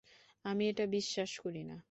আমি এটা বিশ্বাস করিনা!